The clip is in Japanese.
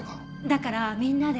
だからみんなで。